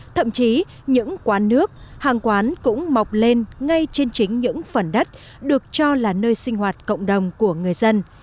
thậm chí những quán nước hàng quán cũng mọc lên ngay trên chính những phần đất được cho là nơi sinh hoạt cộng đồng của người dân